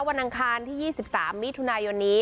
อังคารที่๒๓มิถุนายนนี้